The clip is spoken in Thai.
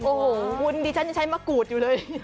โอ้โหคุณดิฉันยังใช้มะกรูดอยู่เลย